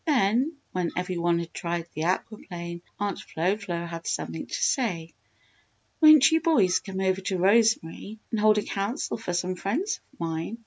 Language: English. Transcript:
Then, when every one had tried the aqua plane Aunt Flo Flo had something to say. "Won't you boys come over to Rosemary and hold a Council for some friends of mine?"